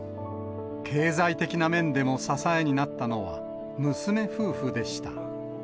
経済的な面でも支えになったのは、娘夫婦でした。